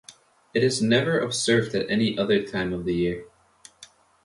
It is never observed at any other time of the year.